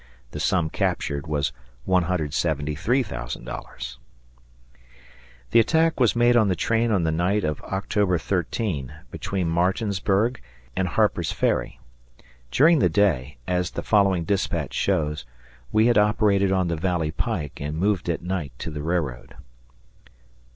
The sum captured was $173,000. The attack was made on the train on the night of October 13 between Martinsburg and Harper's Ferry. During the day, as the following dispatch shows, we had operated on the Valley Pike and moved at night to the railroad.